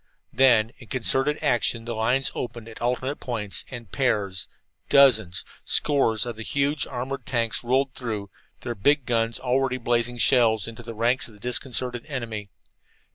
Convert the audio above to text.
Then, in concerted action, the lines opened at alternate points, and pairs, dozens, scores of the huge armored tanks rolled through, their big guns already blazing shells into the ranks of the disconcerted enemy.